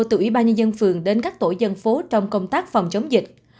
từ ủy ban nhân dân phường đến các tổ dân phố trong công tác phòng chống dịch